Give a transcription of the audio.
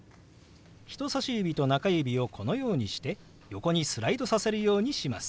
人さし指と中指をこのようにして横にスライドさせるようにします。